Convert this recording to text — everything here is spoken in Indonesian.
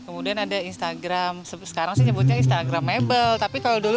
pet kemudian ada instagram sekarang saya sebutnya instagramable tapi kalau dulu